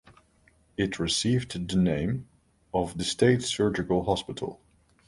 It received the name of the State Surgical Hospital.